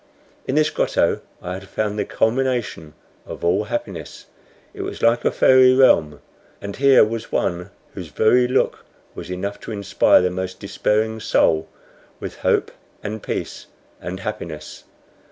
In this grotto I had found the culmination of all happiness. It was like a fairy realm; and here was one whose very look was enough to inspire the most despairing soul with hope and peace and happiness.